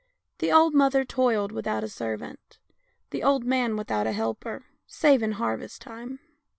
The old mother toiled without a servant, the old man without a helper, save in harvest time.